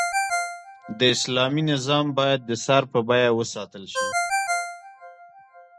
د اسلامي نظام بايد د سر په بيه وساتل شي